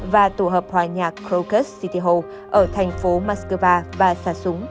và tổ hợp hòa nhạc krokus city hall ở thành phố moscow và xa súng